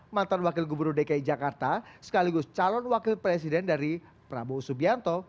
mantan wakil gubernur dki jakarta sekaligus calon wakil presiden dari prabowo subianto